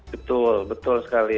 betul betul sekali